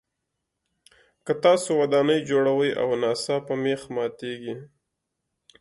که تاسو ودانۍ جوړوئ او ناڅاپه مېخ ماتیږي.